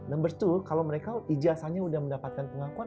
nomor dua kalau mereka ijazahnya sudah mendapatkan pengakuan